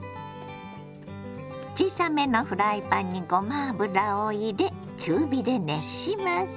小さめのフライパンにごま油を入れ中火で熱します。